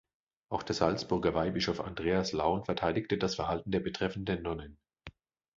Auch der Salzburger Weihbischof Andreas Laun verteidigte das Verhalten der betreffenden Nonnen.